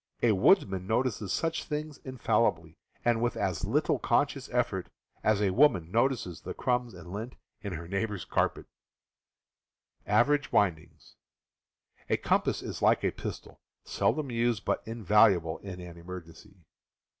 A woodsman notices such things as infallibly, and with as little conscious effort, as a woman notices the crumbs and lint on her neighbor's carpet. A compass is like a pistol, seldom used, but invalu able in an emergency.